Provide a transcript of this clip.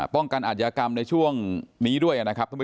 ป้องกันอาจยากรรมในช่วงนี้ด้วย